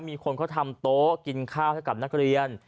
มีคนเขาทำโต๊ะกินข้าวให้กับนักเรียน